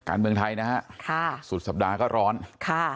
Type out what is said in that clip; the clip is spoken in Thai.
การเมืองไทยนะฮะค่ะสุดสัปดาห์ก็ร้อนค่ะ